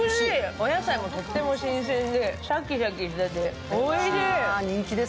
お野菜もとってもえ新鮮でシャキシャキしてておいしい。